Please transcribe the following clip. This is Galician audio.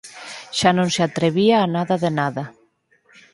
Xa non se atrevía a nada de nada.